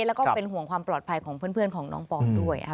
แล้วก็เป็นห่วงความปลอดภัยของเพื่อนของน้องปอนด้วยค่ะ